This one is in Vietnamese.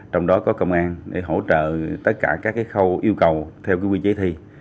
trong đó có công an để hỗ trợ tất cả các khâu yêu cầu theo quy chế thi